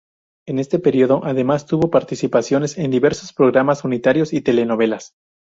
En este periodo además tuvo participaciones en diversos programas unitarios y telenovelas.